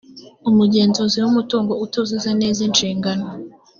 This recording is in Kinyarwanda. umugenzuzi w umutungo utuzuza neza inshingano